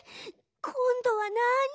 こんどはなに？